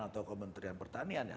atau kementerian pertanian